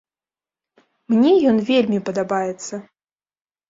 Мне ён вельмі падабаецца.